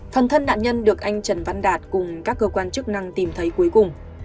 phần thân nạn nhân được anh trần văn đạt cùng các cơ quan chức năng tìm thấy cuối cùng